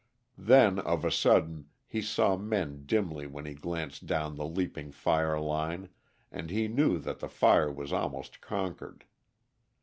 Then, of a sudden, he saw men dimly when he glanced down the leaping fire line, and he knew that the fire was almost conquered.